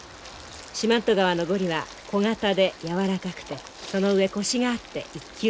四万十川のゴリは小型でやわらかくてその上コシがあって一級品。